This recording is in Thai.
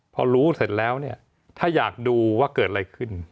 พอรู้เสร็จแล้วเนี่ยถ้าอยากดูว่าเกิดอะไรขึ้น